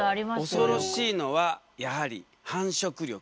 恐ろしいのはやはり繁殖力。